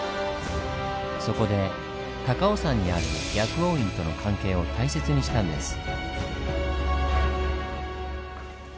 そこで高尾山にある薬王院との関係を大切にしたんです。